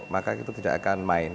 maka itu tidak akan main